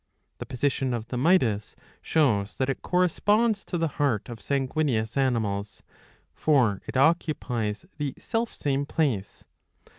^ The position of the myiis shows that it corresponds to the heart of sanguineous animals ; for it occupies the self same place.